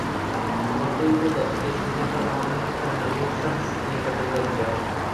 مقتول کو ذاتی دشمنی پر عامر نامی شخص نے قتل کردیا